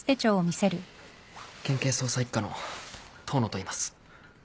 県警捜査一課の遠野といいます。